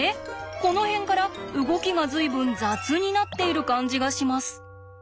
この辺から動きが随分雑になっている感じがします。